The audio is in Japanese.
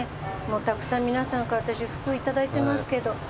たくさん皆さんから福いただいてますけど。